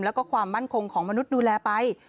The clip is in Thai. แล้วก็ความมั่นคงของมนุษย์ดูแลไป